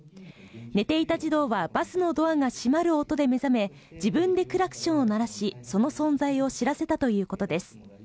寝ていた児童はバスのドアが閉まる音で目覚め、自分でクラクションを鳴らし、その存在を知らせたということです。